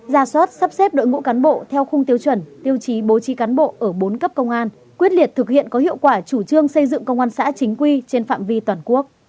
ra soát sắp xếp đội ngũ cán bộ theo khung tiêu chuẩn tiêu chí bố trí cán bộ ở bốn cấp công an quyết liệt thực hiện có hiệu quả chủ trương xây dựng công an xã chính quy trên phạm vi toàn quốc